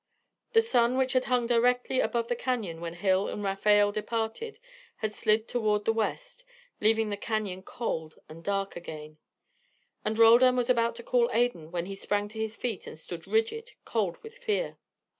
The sun, which had hung directly above the canon when Hill and Rafael departed, had slid toward the west, leaving the canon cold and dark again, and Roldan was about to call Adan, when he sprang to his feet, and stood rigid, cold with fear.